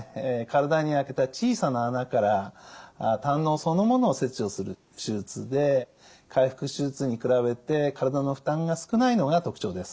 体に開けた小さな穴から胆のうそのものを切除する手術で開腹手術に比べて体の負担が少ないのが特徴です。